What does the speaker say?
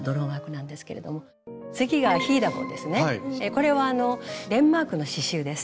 これはデンマークの刺しゅうです。